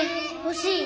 欲しい。